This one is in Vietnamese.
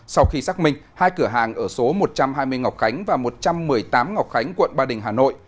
sau khi xác minh hai cửa hàng ở số một trăm hai mươi ngọc khánh và một trăm một mươi tám ngọc khánh quận ba đình hà nội